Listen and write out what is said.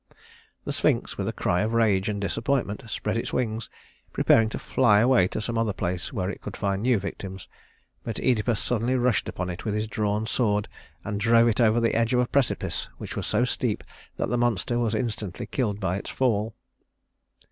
The Sphinx, with a cry of rage and disappointment, spread its wings, preparing to fly away to some other place where it could find new victims; but Œdipus suddenly rushed upon it with his drawn sword, and drove it over the edge of a precipice which was so steep that the monster was instantly killed by its fall.